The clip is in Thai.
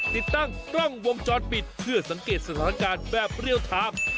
ติดตั้งกล้องวงจรปิดเพื่อสังเกตสถานการณ์แบบเรียลไทม์